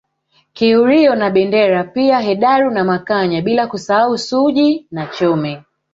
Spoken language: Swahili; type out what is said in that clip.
Kihurio na Bendera pia Hedaru na Makanya bila kusahau Suji na Chome